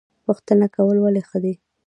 پوښتنه کول ولې ښه دي؟